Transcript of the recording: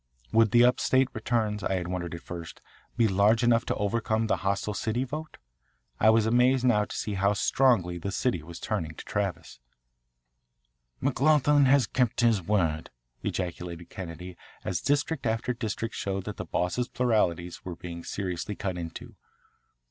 Would the up state returns, I had wondered at first, be large enough to overcome the hostile city vote? I was amazed now to see how strongly the city was turning to Travis. "McLoughlin has kept his word," ejaculated Kennedy as district after district showed that the Boss's pluralities were being seriously cut into.